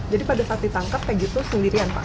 jadi pada saat ditangkap peggy itu sendirian pak